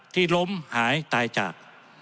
ที่ล้มหายตายจาก